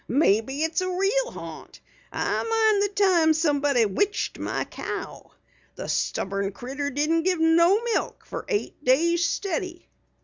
"Maybe it's a real haunt. I mind the time somebody witched my cow. The stubborn critter didn't give no milk for eight days steady."